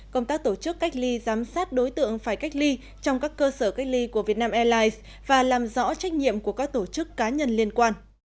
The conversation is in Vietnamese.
công tác tổ chức cách ly giám sát đối tượng phải cách ly trong các cơ sở cách ly của việt nam airlines và làm rõ trách nhiệm của các tổ chức cá nhân liên quan